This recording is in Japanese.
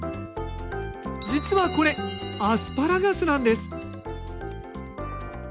実はこれアスパラガスなんです